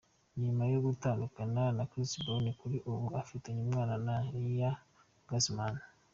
Ni nyuma yo gutandukana na Chris Brown kuri ubu ufitanye umwana na Nia Guzman.